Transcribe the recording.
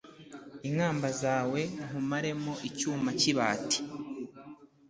inkamba zawe, nkumaremo icyuma cy'ibati